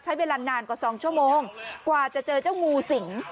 ใช้เวลานานกว่า๒ชั่วโมงกว่าจะเจอเจ้างูสิง